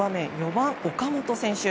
４番、岡本選手。